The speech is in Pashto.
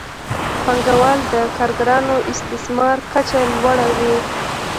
پانګوال د کارګرانو د استثمار کچه لوړه کوي